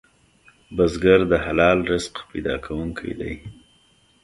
بزګر د حلال رزق پیدا کوونکی دی